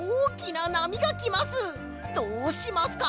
どうしますか？